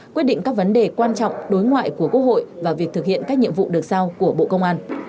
quyết định các vấn đề quan trọng đối ngoại của quốc hội và việc thực hiện các nhiệm vụ được sao của bộ công an